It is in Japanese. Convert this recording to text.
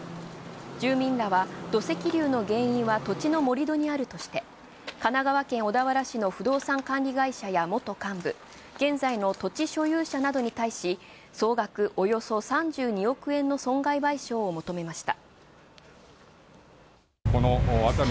住民らは土石流の原因は土地の盛り土にあるとして神奈川県小田原市の不動産管理会社や元幹部、現在の土地所有者などに対し、総額およそ３２億円の損害賠償を求めました。